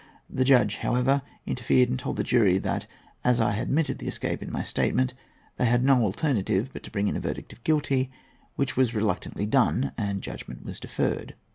The judge, however, interfered, and told the jury that, as I had admitted the escape in my statement, they had no alternative but to bring in a verdict of guilty, which was reluctantly done, and judgment was deferred.